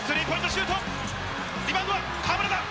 シュート、リバウンド、河村だ。